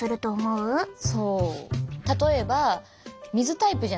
そう。